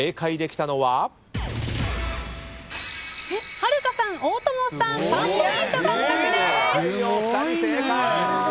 春香さん大友さん３ポイント獲得です。